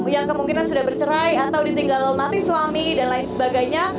yang kemungkinan sudah bercerai atau ditinggal mati suami dan lain sebagainya